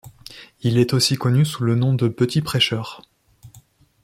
Il est aussi connu sous le nom de petit prêcheur.